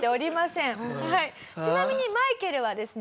ちなみにマイケルはですね